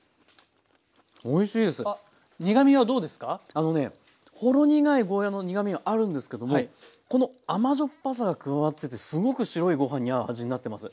あのねほろ苦いゴーヤーの苦みはあるんですけどもこの甘じょっぱさが加わっててすごく白いご飯に合う味になってます。